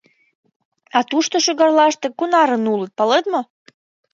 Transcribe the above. А тушто, шӱгарлаште, кунарын улыт, палет мо?